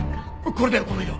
これだよこの色！